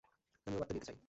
আমিও বার্তা দিতে চাই।